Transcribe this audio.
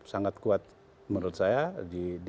sangat kuat menurut saya di